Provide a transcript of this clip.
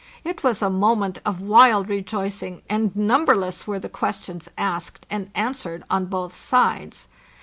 It was a moment of wild rejoicing, and numberless were the questions asked and answered on both sides.